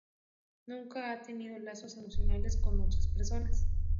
Nunca ha tenido lazos emocionales con otras personas.